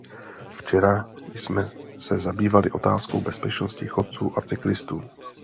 Včera jsme se zabývali otázkou bezpečnosti chodců a cyklistů.